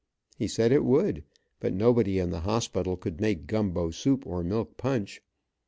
He said it would, but nobody in the hospital could make gumbo soup, or milk punch.